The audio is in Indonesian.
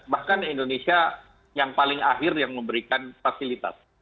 bahkan indonesia yang paling akhir yang memberikan fasilitas